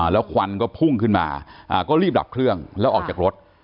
แล้วควันก็พุ่งขึ้นมาก็รีบดับเครื่องแล้วออกจากรถ